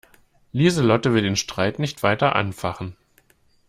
Lieselotte will den Streit nicht weiter anfachen.